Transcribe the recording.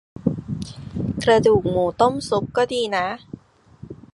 กระดูกหมูต้มซุป ก็ดีนะ